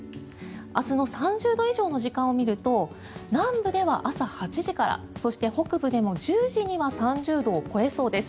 明日の３０度以上の時間を見ると南部では朝８時からそして北部でも１０時には３０度を超えそうです。